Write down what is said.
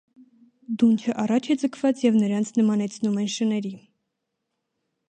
Դունչը առաջ է ձգված և նրանց նմանեցնում են շների։